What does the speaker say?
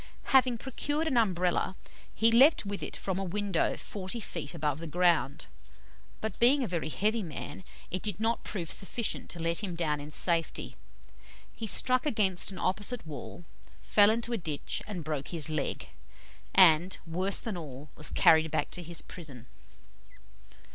Having procured an Umbrella, he leaped with it from a window forty feet above the ground, but being a very heavy man, it did not prove sufficient to let him down in safety. He struck against an opposite wall, fell into a ditch and broke his leg, and, worse than all, was carried back to his prison.